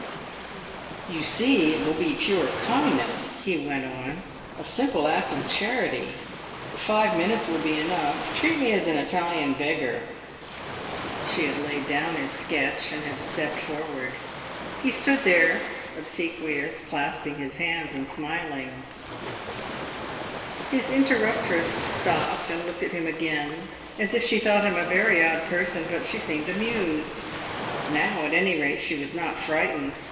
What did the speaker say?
"You see it will be pure kindness," he went on, "a simple act of charity. Five minutes will be enough. Treat me as an Italian beggar." She had laid down his sketch and had stepped forward. He stood there, obsequious, clasping his hands and smiling. His interruptress stopped and looked at him again, as if she thought him a very odd person; but she seemed amused. Now, at any rate, she was not frightened.